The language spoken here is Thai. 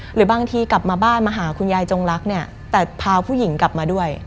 หรือบางทีกลับมาบ้านมาหาคุณยายจงรักเนี่ยแต่พาผู้หญิงกลับมาด้วย